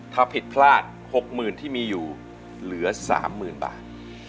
ถ้าผิดพลาด๖๐๐๐ที่มีอยู่เหลือ๓๐๐๐บาท